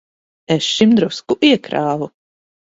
Es šim drusku iekrāvu.